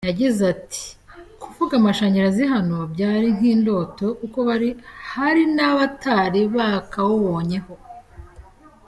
Yagize ati “Kuvuga amashanyarazi hano byari nk’indoto kuko hari n’abatari bakawubonyeho.